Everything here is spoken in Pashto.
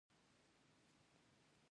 بال باید د پيچ پر سر راوغورځول سي.